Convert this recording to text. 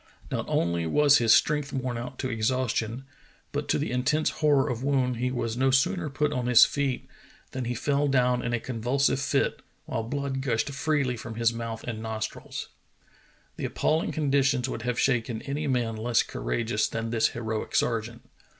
Not only was his strength worn out to exhaustion, but to the intense horror of Woon he was no sooner put on his feet than 114 True Tales of Arctic Heroism he fell down in a convulsive fit, while blood gushed freely from his mouth and nostrils. The appalHng conditions would have shaken any man less courageous than this heroic sergeant.